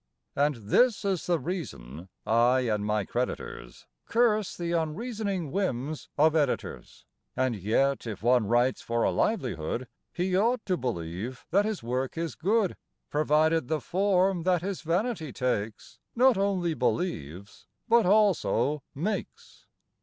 And this is the reason I and my creditors Curse the "unreasoning whims" of editors, And yet, if one writes for a livelihood, He ought to believe that his work is good, Provided the form that his vanity takes Not only believes, but also makes.